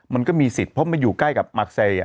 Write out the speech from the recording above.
มันก็มีสิทธิ์เพราะมันอยู่ใกล้กับมักเซ